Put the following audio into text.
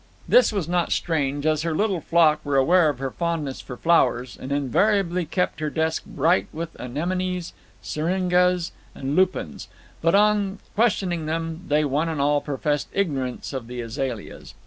This was not strange, as her little flock were aware of her fondness for flowers, and invariably kept her desk bright with anemones, syringas, and lupines; but, on questioning them, they one and all professed ignorance of the azaleas.